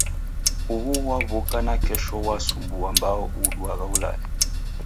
Uhu waw'uka nakesho wasumbua mbao uo uduagha ulale.